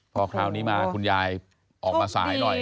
พอคราวนี้มาคุณยายออกมาสายหน่อย